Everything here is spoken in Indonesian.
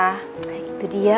nah itu dia